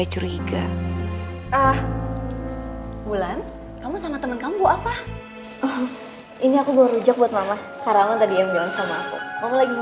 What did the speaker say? terima kasih ya sayang